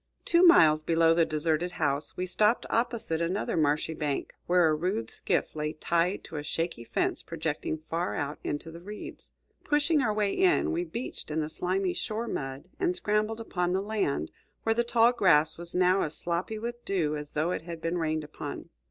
Two miles below the deserted house, we stopped opposite another marshy bank, where a rude skiff lay tied to a shaky fence projecting far out into the reeds. Pushing our way in, we beached in the slimy shore mud and scrambled upon the land, where the tall grass was now as sloppy with dew as though it had been rained upon.